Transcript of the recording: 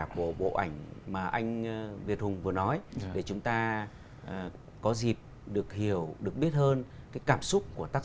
của bộ ảnh mà anh việt hùng vừa nói để chúng ta có dịp được hiểu được biết hơn cái cảm xúc của tác